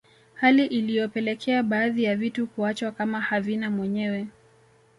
Hali iliyopelekea baadhi ya vitu kuachwa kama havina mwenyewe